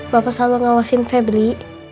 bapak selalu ngawasin febri